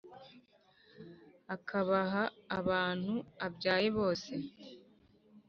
akabaha abantu abyaye bose